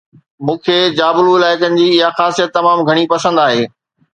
مون کي جابلو علائقن جي اها خاصيت تمام گهڻي پسند آهي